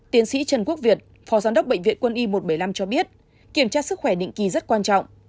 tiến sĩ trần quốc việt phó giám đốc bệnh viện quân y một trăm bảy mươi năm cho biết kiểm tra sức khỏe định kỳ rất quan trọng